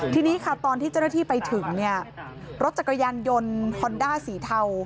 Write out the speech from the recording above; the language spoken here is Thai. ทีนี้ค่ะตอนที่เจ้าหน้าที่ไปถึงเนี่ยรถจักรยานยนต์ฮอนด้าสีเทา